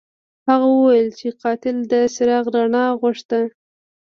هغه وویل چې قاتل د څراغ رڼا غوښته.